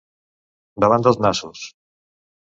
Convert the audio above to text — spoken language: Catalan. Davant dels nassos.